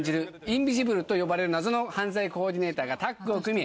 インビジブルと呼ばれる謎の犯罪コーディネーターがタッグを組み